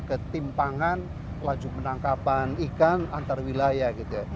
ketimpangan laju penangkapan ikan antar wilayah gitu ya